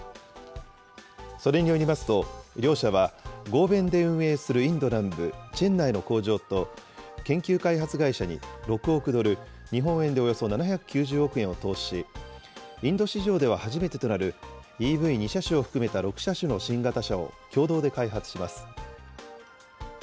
それによりますと、両社は、合弁で運営するインド南部チェンナイの工場と、研究開発会社に６億ドル、日本円でおよそ７９０億円を投資し、インド市場では初めてとなるＥＶ２車種を含めた６車種の新型車を共同で開発します。